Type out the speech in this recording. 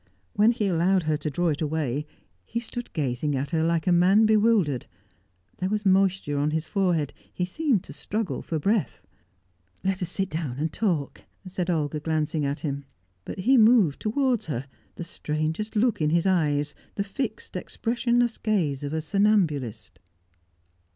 When he allowed her to draw it away, he stood gazing at her like a man bewildered; there was moisture on his forehead; he seemed to struggle for breath. "Let us sit down again and talk," said Olga, glancing at him. But he moved towards her, the strangest look in his eyes, the fixed expressionless gaze of a somnambulist.